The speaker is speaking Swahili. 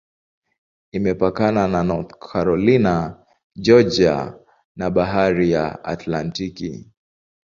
Imepakana na North Carolina, Georgia na Bahari ya Atlantiki.